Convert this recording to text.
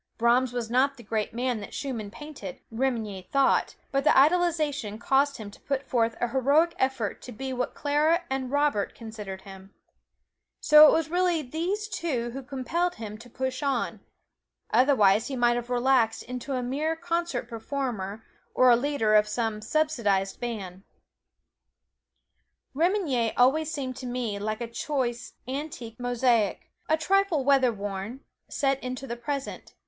Brahms was not the great man that Schumann painted, Remenyi thought, but the idealization caused him to put forth a heroic effort to be what Clara and Robert considered him. So it was really these two who compelled him to push on: otherwise he might have relaxed into a mere concert performer or a leader of some subsidized band. Remenyi always seemed to me like a choice antique mosaic, a trifle weather worn, set into the present.